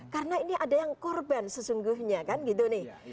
karena ini ada yang korban sesungguhnya kan gitu nih